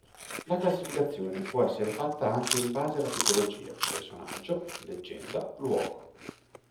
La classificazione può essere fatta anche in base alla tipologia: Personaggio, Leggenda, Luogo.